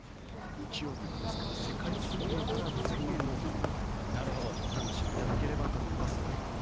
日曜日は、ですから世界水泳から全英オープンをぜひお楽しみいただければと思います。